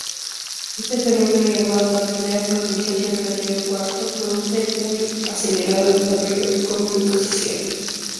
Este fenómeno llamado "La Primera Colonización del Río Cuarto", produce un acelerado desarrollo económico-social.